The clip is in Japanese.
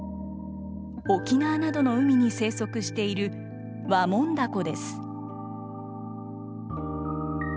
沖縄などの海に生息しているワモンダコです。